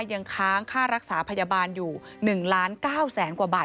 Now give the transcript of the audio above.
ยังค้างค่ารักษาพยาบาลอยู่๑๙๐๐๐๐๐บาท